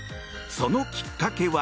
そのきっかけは。